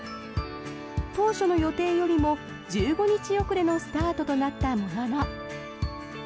当初の予定よりも１５日遅れのスタートとなったものの。